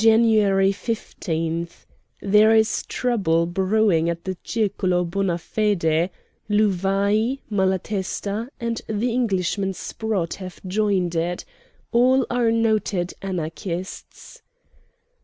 "Jan. 15. There is trouble brewing at the Circulo Bonafede; Louvaih, Malatesta, and the Englishman Sprot, have joined it. All are noted Anarchists.